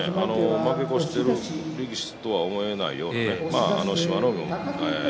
負け越している力士とは思えないような。